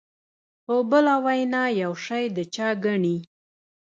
په بله وینا یو شی د چا ګڼي.